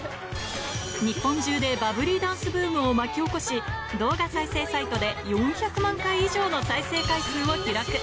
日本中でバブリーダンスブームを巻き起こし、動画再生サイトで４００万回以上の再生回数を記録。